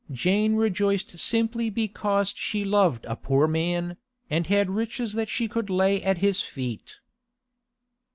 Jane rejoiced simply because she loved a poor man, and had riches that she could lay at his feet.